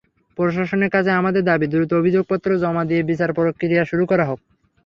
প্রশাসনের কাছে আমাদের দাবি, দ্রুত অভিযোগপত্র জমা দিয়ে বিচারপ্রক্রিয়া শুরু করা হোক।